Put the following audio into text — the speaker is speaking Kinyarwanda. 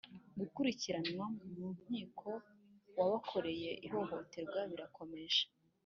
Gukurikiranwa mu nkiko ku wabakoreye ihohoterwa birakomeje.